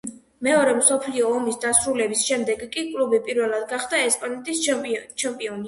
მეორე მსოფლიო ომის დასრულების შემდეგ კი კლუბი პირველად გახდა ესპანეთის ჩემპიონი.